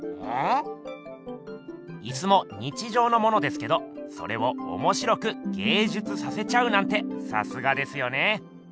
椅子も日じょうのものですけどそれをおもしろく芸術させちゃうなんてさすがですよね。